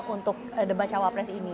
untuk debat cawa pres ini